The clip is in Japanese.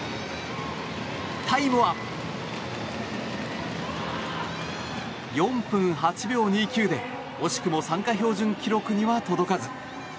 タイムは、４分８秒２９で惜しくも参加標準記録には届かず。